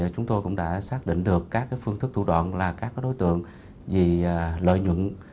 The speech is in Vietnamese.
chúng tôi cũng đã xác định được các phương thức thủ đoạn là các đối tượng vì lợi nhuận